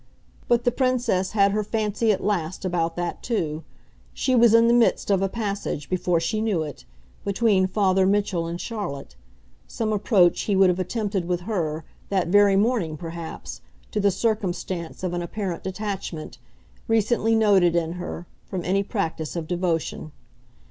But the Princess had her fancy at last about that too; she was in the midst of a passage, before she knew it, between Father Mitchell and Charlotte some approach he would have attempted with her, that very morning perhaps, to the circumstance of an apparent detachment, recently noted in her, from any practice of devotion.